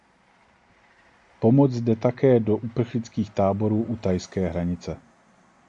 Pomoc jde také do uprchlických táborů u thajské hranice.